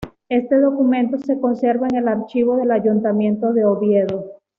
Este documento se conserva en el archivo del Ayuntamiento de Oviedo.